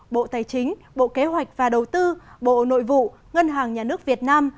bộ tài chính bộ kế hoạch và đầu tư bộ nội vụ ngân hàng nhà nước việt nam